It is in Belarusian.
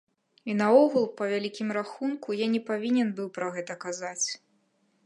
І наогул, па вялікім рахунку, я не павінен быў пра гэта казаць.